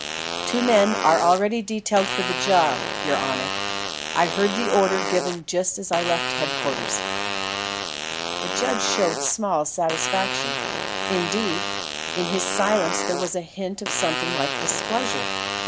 "Two men are already detailed for the job, your honour. I heard the order given just as I left Headquarters." The judge showed small satisfaction. Indeed, in his silence there was the hint of something like displeasure.